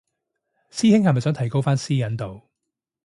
師兄係咪想提高返私隱度